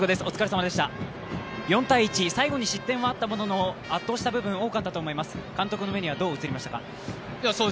４−１、最後に失点はあったものの圧倒した部分多かったと思います監督の目にはどう映りましたか？